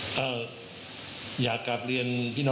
ขออนุญาตแค่นี้ครับ